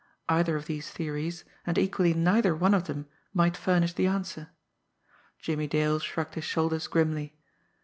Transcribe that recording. Either of these theories, and equally neither one of them, might furnish the answer! Jimmie Dale shrugged his shoulders grimly.